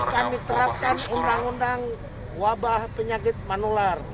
kami terapkan undang undang wabah penyakit manular